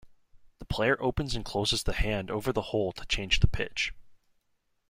The player opens and closes the hand over the hole to change the pitch.